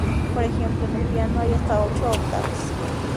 Por ejemplo, en un piano hay hasta ocho octavas.